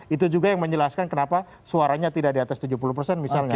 itu juga yang menjelaskan kenapa suaranya tidak di atas tujuh puluh persen misalnya